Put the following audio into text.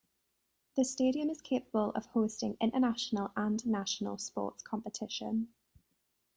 The stadium is capable of hosting international and national sports competition.